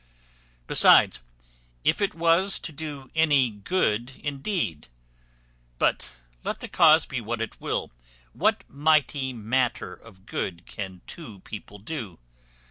Besides, if it was to do any good indeed; but, let the cause be what it will, what mighty matter of good can two people do?